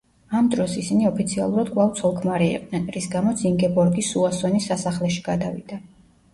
ამ დროს ისინი ოფიციალურად კვლავ ცოლ-ქმარი იყვნენ, რის გამოც ინგებორგი სუასონის სასახლეში გადავიდა.